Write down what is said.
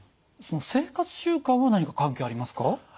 その生活習慣は何か関係ありますか？